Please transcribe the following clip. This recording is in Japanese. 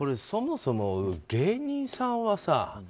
そもそも芸人さんはさ